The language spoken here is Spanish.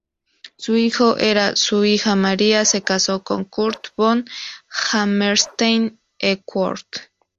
Su hijo era Su hija Maria se casó con Kurt von Hammerstein-Equord.